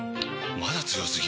まだ強すぎ？！